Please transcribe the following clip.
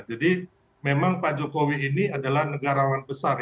jadi memang pak jokowi ini adalah negara yang sangat berharga